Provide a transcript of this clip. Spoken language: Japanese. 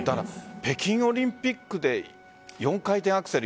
北京オリンピックで４回転アクセル